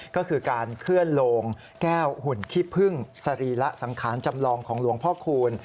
ก็คือการเคลื่อนโลงแก้วหุ่นขี้พึ่งสรีระสังขารจำลองของหลวงพ่อคูณ